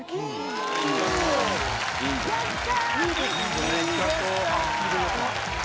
やった！